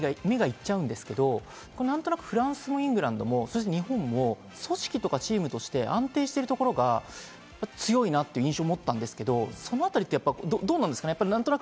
スター選手のプレーに目がいっちゃうんですけど、何となくフランスもイングランドも日本も組織とか、チームとして安定してるところが強いなっていう印象を持ったんですけど、そのあたりってどうなんですか？